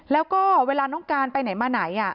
แล้วก็เวลาน้องการไปไหนมาไหน